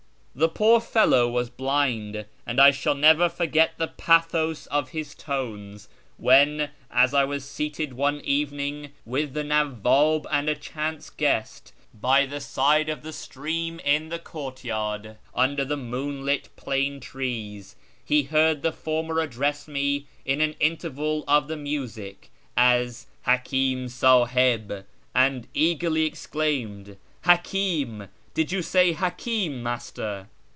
The poor fellow was blind, and I shall never forget the pathos of his tones when, as I was seated one evening with the Nawwab and a chance guest by the side of the stream in the courtyard under the moonlit plane trees, he heard the former address me in an interval of the music as " Haldm Sahib," and eagerly exclaimed, " Hakim ! did you say hakim, Master